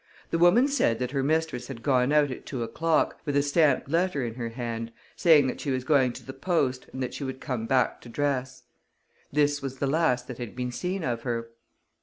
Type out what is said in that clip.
The woman said that her mistress had gone out at two o'clock, with a stamped letter in her hand, saying that she was going to the post and that she would come back to dress. This was the last that had been seen of her.